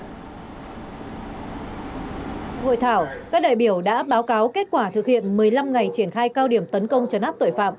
hội thảo các đại biểu đã báo cáo kết quả thực hiện một mươi năm ngày triển khai cao điểm tấn công chấn áp tội phạm